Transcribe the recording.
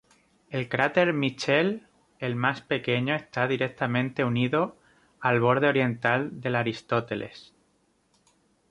El cráter Mitchel, el más pequeño, está directamente unido al borde oriental del Aristóteles.